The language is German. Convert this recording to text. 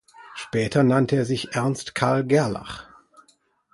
Später nannte er sich Ernst Carl Gerlach.